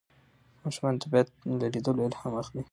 ماشومان د طبیعت له لیدلو الهام اخلي